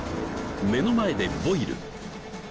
目の前でボイル！